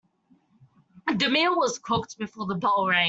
The meal was cooked before the bell rang.